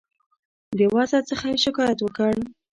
د وضع څخه یې شکایت وکړ.